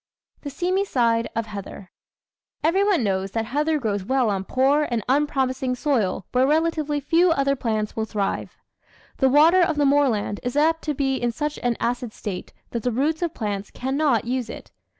The Seamy Side of Heather Everyone knows that heather grows well on poor and un promising soil where relatively few other plants will thrive. The water of the moorland is apt to be in such an acid state that the roots of plants cannot use it.